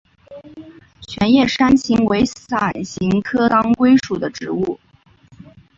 全叶山芹为伞形科当归属的植物。